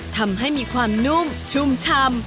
ทำให้มีความนุ่มชุ่มชำ